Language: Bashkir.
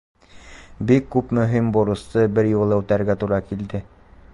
Бик күп мөһим бурысты бер юлы үтәргә тура килде.